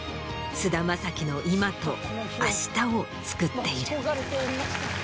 菅田将暉の今と明日をつくっている。